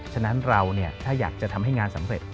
ฉะนั้นเราถ้าอยากจะทำให้งานสำเร็จ